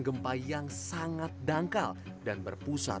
gempa yang sangat dangkal dan berpusat di darat